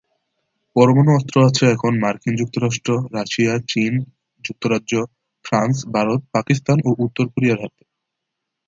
পরমাণু অস্ত্র আছে এখন মার্কিন যুক্তরাষ্ট্র, রাশিয়া, চীন, যুক্তরাজ্য, ফ্রান্স, ভারত, পাকিস্তান ও উত্তর কোরিয়ার হাতে।